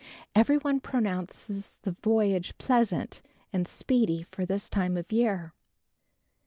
Every one pronounces the voyage pleasant and speedy for this time of year.